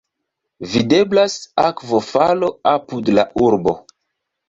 Videblas akvofalo apud la urbo.